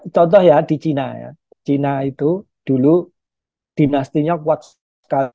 contoh ya di china ya china itu dulu dinastinya kuat sekali